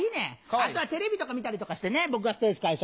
あとはテレビとか見たりとかして僕はストレス解消。